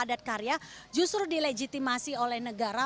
yang padat karya justru dilegitimasi oleh negara